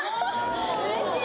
うれしい！